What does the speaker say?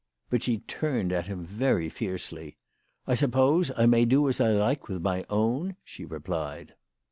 But she turned at him very fiercely. " I suppose I may do as I like with my own," she replied.